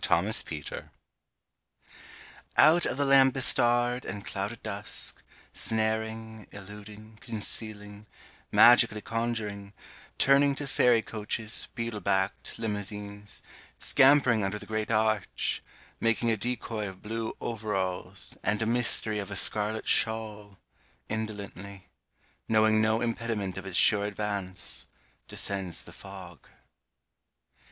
THE FOG Out of the lamp bestarred and clouded dusk Snaring, illuding, concealing, Magically conjuring Turning to fairy coaches Beetle backed limousines Scampering under the great Arch Making a decoy of blue overalls And mystery of a scarlet shawl Indolently Knowing no impediment of its sure advance Descends the fog.